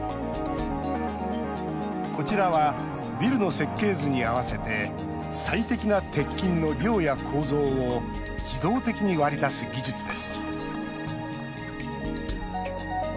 こちらはビルの設計図に合わせて最適な鉄筋の量や構造を自動的に割り出す技術です。